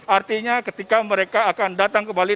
artinya ketika mereka akan datang kembali